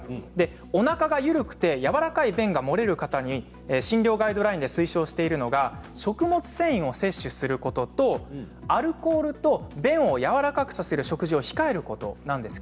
おなかが緩くて軟らかい便が漏れる方に診療ガイドラインで推奨しているのが食物繊維を摂取することとアルコールと便を軟らかくさせる食事を控えることなんです。